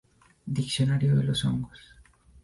Diccionario de los hongos.